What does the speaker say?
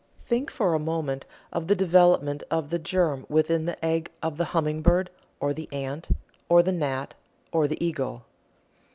Think for a moment of the development of the germ within the egg of the humming bird, or the ant, or the gnat, or the eagle.